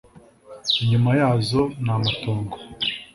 Inyuma yazo ni amatongo.”